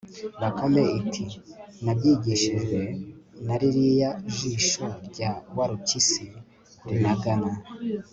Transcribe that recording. bakame iti nabyigishijwe na ririya jisho rya warupyisi rinagana